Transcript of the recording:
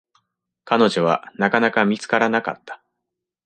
彼女は、なかなか見つからなかった。